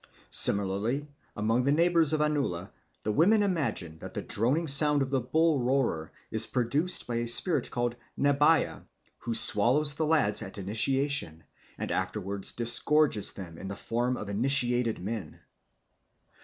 Similarly among their neighbours the Anula the women imagine that the droning sound of the bull roarer is produced by a spirit called Gnabaia, who swallows the lads at initiation and afterwards disgorges them in the form of initiated men.